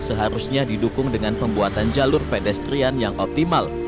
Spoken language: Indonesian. seharusnya didukung dengan pembuatan jalur pedestrian yang optimal